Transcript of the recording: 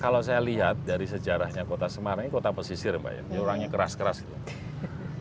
kalau saya lihat dari sejarahnya kota semarang ini kota pesisir mbak ya orangnya keras keras gitu